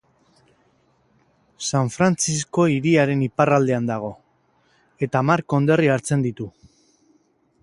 San Frantzisko hiriaren iparraldean dago, eta hamar konderri hartzen ditu.